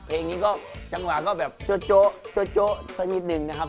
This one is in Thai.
เพลงนี้ก็จังหวะก็แบบโจ๊ะสักนิดนึงนะครับ